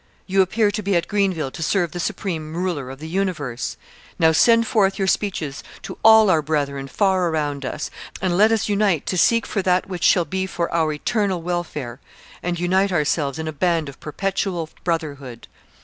You appear to be at Greenville to serve the Supreme Ruler of the universe. Now send forth your speeches to all our brethren far around us, and let us unite to seek for that which shall be for our eternal welfare, and unite ourselves in a band of perpetual brotherhood.